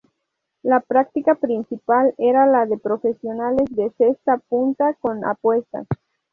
La práctica principal era la de profesionales de cesta-punta con apuestas.